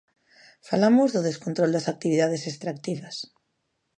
Falamos do descontrol das actividades extractivas.